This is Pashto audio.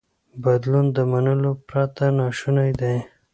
بدلون له منلو پرته ناشونی دی.